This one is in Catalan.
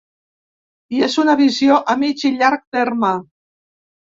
I és una visió a mig i llarg terme.